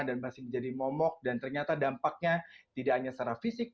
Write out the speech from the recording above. dan masih menjadi momok dan ternyata dampaknya tidak hanya secara fisik